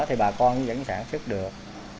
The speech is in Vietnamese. thì bà con vẫn sản xuất được